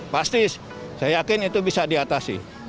pasti saya yakin itu bisa diatasi